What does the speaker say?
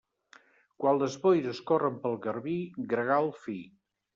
Quan les boires corren pel Garbí, gregal fi.